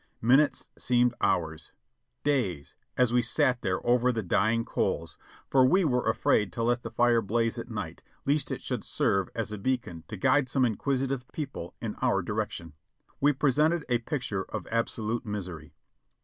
Minutes seemed hours — days, as we sat there over the dying coals, for we were afraid to let the fire blaze at night lest it should serve as a beacon to guide inquisitive people in our direction. We presented a picture of absolute misery.